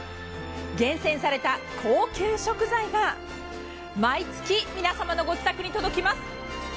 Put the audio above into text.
厳選された高級食材が毎月皆様のご自宅に届きます。